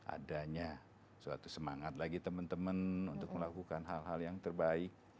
adanya suatu semangat lagi teman teman untuk melakukan hal hal yang terbaik